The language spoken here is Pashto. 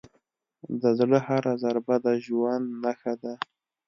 د زړه هره ضربه د ژوند نښه ده.